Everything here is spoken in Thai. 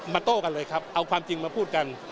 โต้กันเลยครับเอาความจริงมาพูดกัน